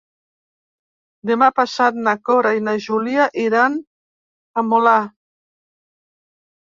Demà passat na Cora i na Júlia iran al Molar.